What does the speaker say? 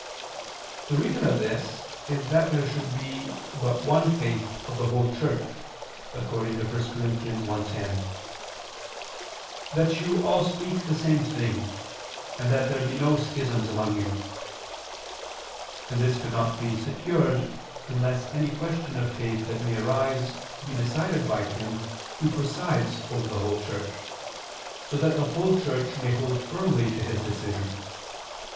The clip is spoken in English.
The reason of this is that there should be but one faith of the whole Church, according to 1 Cor. 1:10: "That you all speak the same thing, and that there be no schisms among you": and this could not be secured unless any question of faith that may arise be decided by him who presides over the whole Church, so that the whole Church may hold firmly to his decision.